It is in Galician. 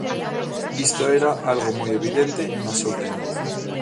Isto era algo moi evidente no seu tempo.